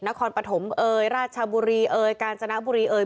นครปฐมเอยราชบุรีเอ่ยกาญจนบุรีเอ่ย